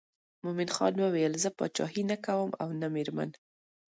مومن خان ویل زه پاچهي نه کوم او نه مېرمن.